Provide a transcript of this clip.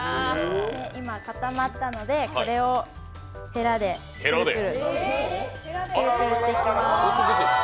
今固まったので、これをへらでくるくるしていきまーす。